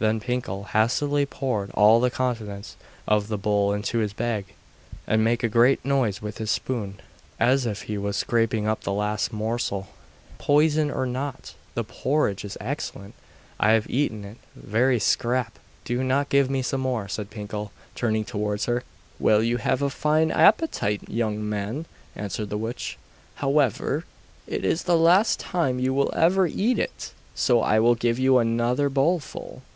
Then Pinkel hastily poured all the contents of the bowl into his bag, and make a great noise with his spoon, as if he was scraping up the last morsel. 'Poisoned or not, the porridge is excellent. I have eaten it, every scrap; do give me some more,' said Pinkel, turning towards her. 'Well, you have a fine appetite, young man,' answered the witch; 'however, it is the last time you will ever eat it, so I will give you another bowlful.